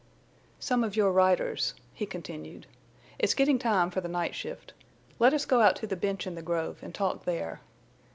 "Some of your riders," he continued. "It's getting time for the night shift. Let us go out to the bench in the grove and talk there."